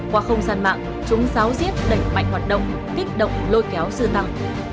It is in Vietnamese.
qua không săn mạng chúng sáo diết đẩy mạnh hoạt động kích động lôi kéo sư tăng